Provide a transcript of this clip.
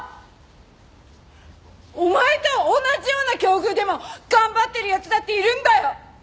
お前と同じような境遇でも頑張ってる奴だっているんだよ！